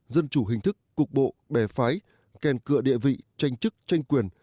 dân chủ hình thức cục bộ bè phái kèn cựa địa vị tranh chức tranh quyền